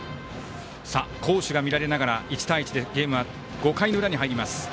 攻守が見られながら１対１でゲームは５回の裏に入ります。